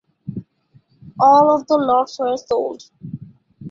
All of the lots were sold.